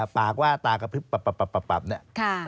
ปากว่าตากระพริบปับเนี่ย